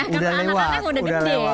karena anak anaknya sudah gede